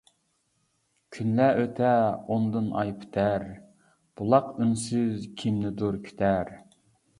كۈنلەر ئۆتەر ئۇندىن ئاي پۈتەر، بۇلاق ئۈنسىز كىمنىدۇر كۈتەر.